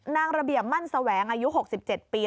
นางระเบียบมั่นแสวงอายุ๖๗ปี